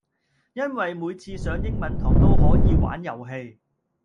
因為每次上英文堂都可以玩遊戲